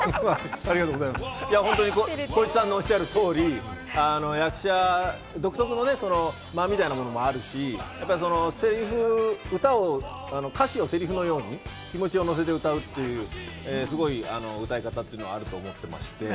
本当に浩市さんのおっしゃる通り、役者独特の間みたいなものもあるし、歌詞をセリフのように気持ちを乗せて歌うっていう、すごい歌い方っていうのもあると思ってまして。